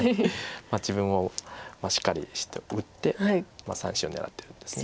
自分もしっかり打って３子を狙ってるんです。